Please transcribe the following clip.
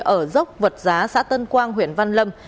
ở dốc vật giá xã tân quang huyện văn lâm